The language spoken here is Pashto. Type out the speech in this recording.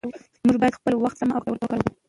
موږ باید خپل وخت په سمه او ګټوره توګه وکاروو